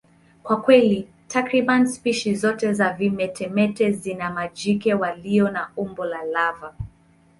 Kwa kweli, takriban spishi zote za vimetameta zina majike walio na umbo la lava.